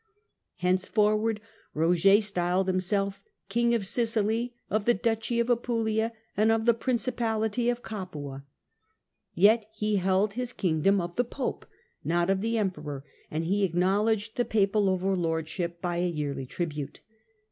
Henceforward Koger styled himself Roger I. ''King of Sicily, of the duchy of Apulia and of the ledged as principality of Capua." Yet he held his kingdom of the Sdw^^ Pope, not of the Emperor, and he acknowledged the papal overlordship by a yearly tribute.